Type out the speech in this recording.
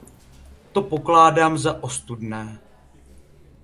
To pokládám za ostudné.